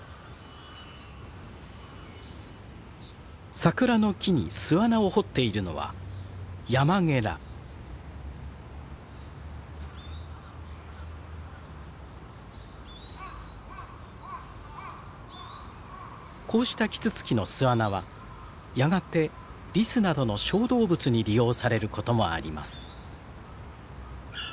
桜の木に巣穴を掘っているのはこうしたキツツキの巣穴はやがてリスなどの小動物に利用されることもあります。